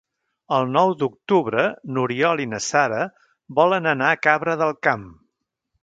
El nou d'octubre n'Oriol i na Sara volen anar a Cabra del Camp.